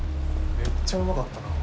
めっちゃうまかったな。